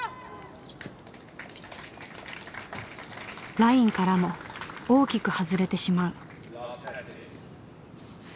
ラインからも大きく外れてしまう。